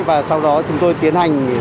và sau đó chúng tôi tiến hành